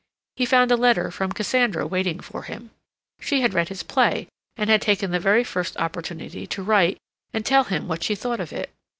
He found a letter from Cassandra waiting for him. She had read his play, and had taken the very first opportunity to write and tell him what she thought of it.